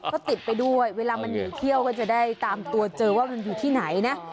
ก็ติดไปด้วยเวลามันหนีเที่ยวก็จะได้ตามตัวเจอว่ามันอยู่ที่ไหนนะ